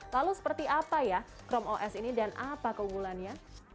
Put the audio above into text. lalu seperti apa ya chrome os ini dan apa keunggulannya